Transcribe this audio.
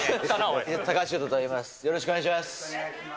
よろしくお願いします。